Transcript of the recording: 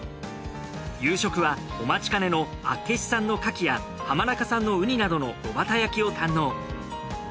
夕食はお待ちかねの厚岸産のカキや浜中産のウニなどの炉端焼きを堪能。